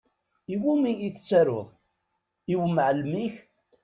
I wumi i tettaruḍ? I wumɛalem-ik?